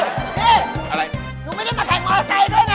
นุ้งไม่ได้มาแขกมอเซย์ด้วยนะ